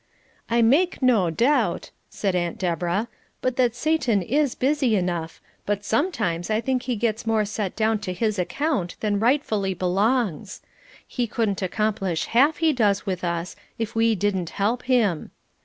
"I make no doubt," said Aunt Deborah, "but that Satan is busy enough, but sometimes I think he gets more set down to his account than rightfully belongs. He couldn't accomplish half he does with us if we didn't help him.